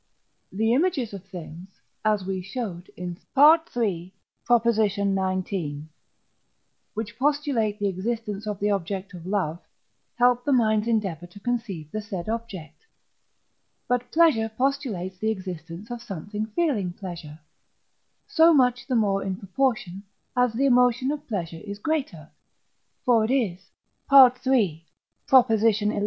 The images of things (as we showed in III. xix.) which postulate the existence of the object of love, help the mind's endeavour to conceive the said object. But pleasure postulates the existence of something feeling pleasure, so much the more in proportion as the emotion of pleasure is greater; for it is (III. xi.